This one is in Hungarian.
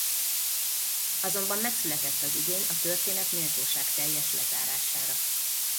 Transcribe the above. Azonban megszületett az igény a történet méltóságteljes lezárására.